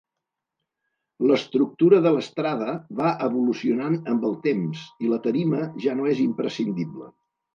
L'estructura de l'estrada va evolucionant amb el temps, i la tarima ja no és imprescindible.